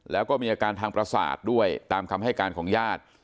แล้วก็มีอาการทางประสาทด้วยตามคำให้การของญาติ